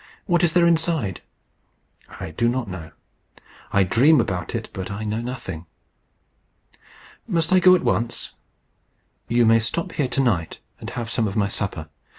What is there inside?" "I do not know. I dream about it, but I know nothing." "Must I go at once?" "You may stop here to night, and have some of my supper.